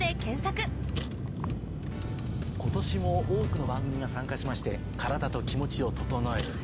今年も多くの番組が参加しましてカラダとキモチを整える。